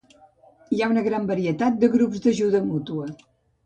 Hi ha una gran varietat de grups d'ajuda mútua.